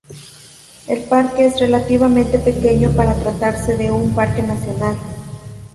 El parque es relativamente pequeño para tratarse de un parque nacional.